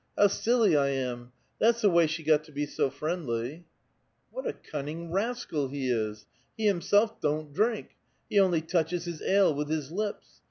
how silly I am. That's the way she got to be so friendly !")(" What a cunning rascal he is ! He himself don't drink. He only touches his ale with his lips